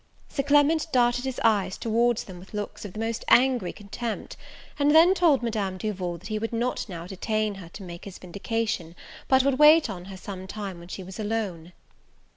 Sir Clement darted his eyes towards them with looks of the most angry contempt; and then told Madame Duval, that he would not now detain her to make his vindication, but would wait on her some time when she was alone.